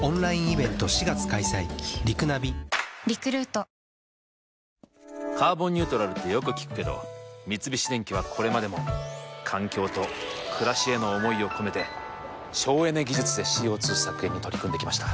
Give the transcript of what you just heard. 完全メシカレーメシカレーメシと完全メシ「カーボンニュートラル」ってよく聞くけど三菱電機はこれまでも環境と暮らしへの思いを込めて省エネ技術でＣＯ２削減に取り組んできました。